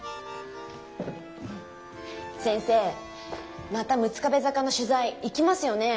先生また六壁坂の取材行きますよねぇ。